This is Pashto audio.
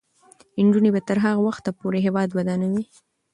نجونې به تر هغه وخته پورې هیواد ودانوي.